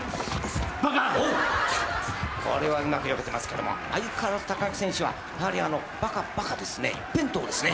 これはうまくよけてますけども相変わらず高木選手はやはりあの「バカバカ」ですね。